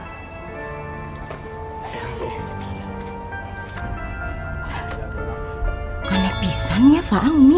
tuh kan lapisan ya faang umi